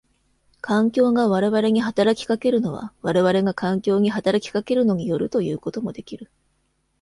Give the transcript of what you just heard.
環境が我々に働きかけるのは我々が環境に働きかけるのに依るということもできる。